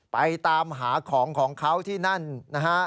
ไปตามหาของของเขาที่นั่นนะฮะ